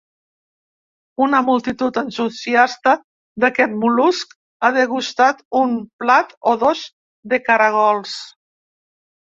Una multitud entusiasta d’aquest mol·lusc ha degustat un plat, o dos, de caragols.